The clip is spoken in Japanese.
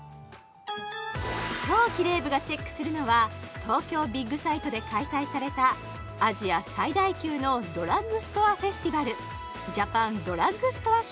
今日キレイ部がチェックするのは東京ビッグサイトで開催されたアジア最大級のドラッグストアフェスティバル